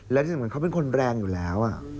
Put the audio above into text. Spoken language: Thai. และที่สำคัญเขาเป็นคนแรงอยู่แล้ว